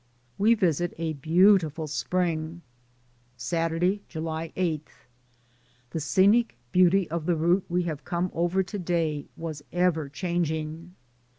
WE VISIT A BEAUTIFUL SPRING. Saturday, July 8. The scenic beauty of the route we have come over to day was ever changing.